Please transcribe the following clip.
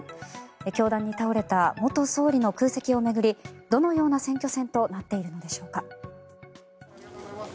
凶弾に倒れた元総理の空席を巡りどのような選挙戦となっているのでしょうか。